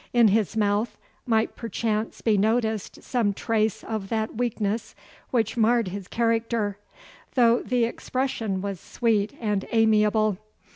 In his mouth might perchance be noticed some trace of that weakness which marred his character, though the expression was sweet and amiable.